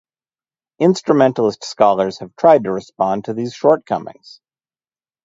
Instrumentalist scholars have tried to respond to these shortcomings.